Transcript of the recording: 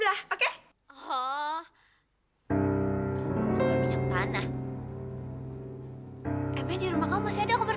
lihat dia udah jadi anak yang baik